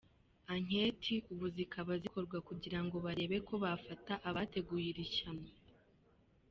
Anketi ubu zikaba zikorwa kugirango barebe ko bafata abateguye iri shyano.